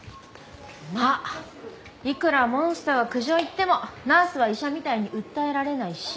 まあいくらモンスターが苦情言ってもナースは医者みたいに訴えられないし。